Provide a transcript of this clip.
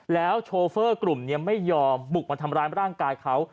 แล้วโชเฟอร์กลุ่มนี้ไม่ยอมบุกมาทำร้ายร่างกายเขา